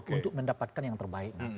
untuk mendapatkan yang terbaik